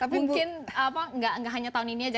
mungkin nggak hanya tahun ini aja